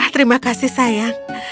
terima kasih sayang